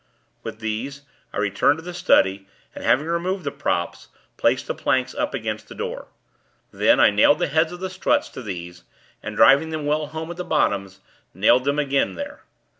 With these, I returned to the study, and, having removed the props, placed the planks up against the door. Then, I nailed the heads of the struts to these, and, driving them well home at the bottoms, nailed them again there.